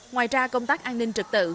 ngoài ra công tác an ninh trực tự